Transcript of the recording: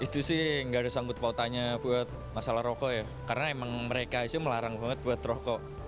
kalau tanya buat masalah rokok ya karena memang mereka itu melarang banget buat rokok